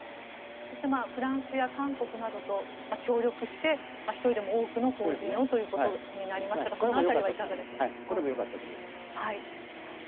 そしてフランスや韓国などと協力して１人でも多くの邦人をとなりましたがよかったと思います。